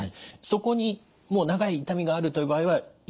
そこにもう長い痛みがあるという場合は行けばよい？